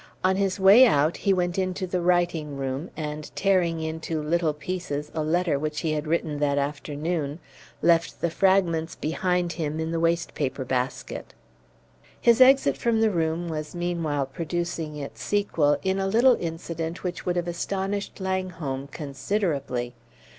On his way out, he went into the writing room, and, tearing into little pieces a letter which he had written that afternoon, left the fragments behind him in the waste paper basket. His exit from the room was meanwhile producing its sequel in a little incident which would have astonished Langholm considerably.